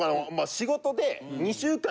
仕事で。